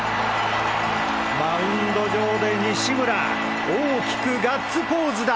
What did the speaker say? マウンド上で西村大きくガッツポーズだ！